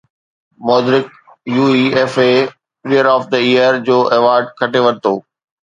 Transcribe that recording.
Modric UEFA player of the year جو award کٽي ورتو